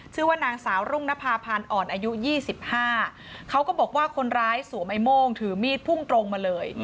ชื่อว่านางสาวรุ่งนภาพานอ่อนอายุ๒๕เขาก็บอกว่าคนร้ายสวมไอ้โม่งถือมีดพุ่งตรงมาเลย